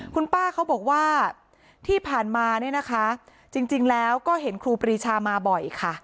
คุณป้าเขาบอกว่าที่ผ่านมาเนี่ยนะคะจริงแล้วก็เห็นครูปรีชามาบ่อยค่ะ